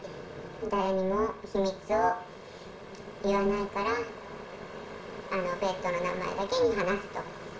誰にも秘密を言わないから、ペットの中にだけ話すと。